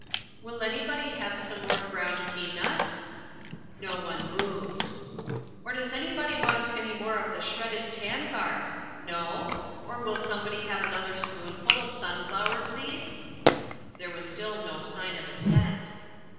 "Will anybody have some more ground peanuts?" No one moved. "Or does anybody want any more of the shredded tan bark? No? Or will somebody have another spoonful of sunflower seeds?" There was still no sign of assent.